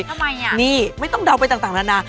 ทำไมอ่ะนี่ไม่ต้องเดาไปต่างนานา